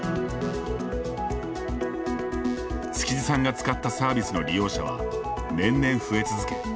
築地さんが使ったサービスの利用者は年々増え続け